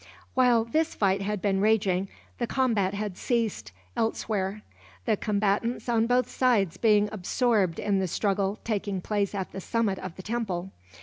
While this fight had been raging the combat had ceased, elsewhere; the combatants on both sides being absorbed in the struggle taking place at the summit of the temple.